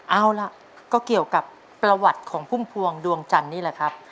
เอาล่ะก็เกี่ยวกับประวัติของพุ่มพวงดวงจันทร์นี่แหละครับ